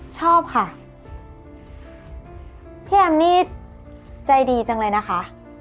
ชอบค่ะพี่แอมนี่ใจดีจังเลยนะคะ